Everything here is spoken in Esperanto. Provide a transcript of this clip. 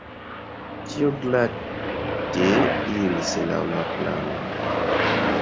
Ĉio glate iris laŭ la plano….